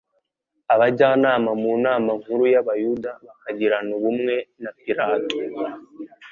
abajyanama mu nama nkuru y'abayuda bakagirana ubumwe na Pilato,